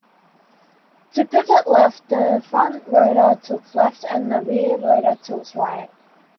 To pivot left, the front rotor tilts left and the rear rotor tilts right.